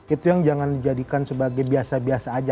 itu yang jangan dijadikan sebagai biasa biasa aja